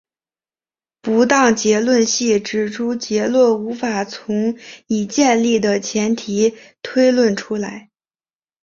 不当结论系指结论无法从已建立的前提推论出来。